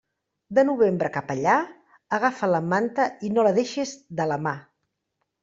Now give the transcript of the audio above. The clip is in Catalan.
De novembre cap allà, agafa la manta i no la deixes de la mà.